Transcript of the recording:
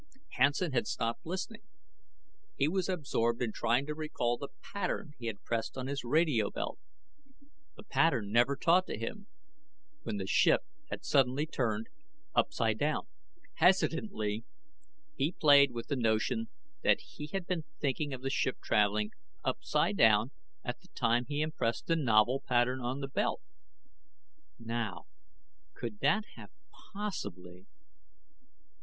Hansen had stopped listening. He was absorbed in trying to recall the pattern he had pressed on his radio belt a pattern never taught to him when the ship had suddenly turned upsidedown. Hesitantly, he played with the notion that he had been thinking of the ship traveling upsidedown at the time he impressed the novel pattern on the belt. Now, could that have possibly